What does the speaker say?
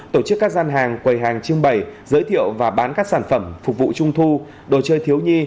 tổ chức các gian hàng quầy hàng trưng bày giới thiệu và bán các sản phẩm phục vụ trung thu đồ chơi thiếu nhi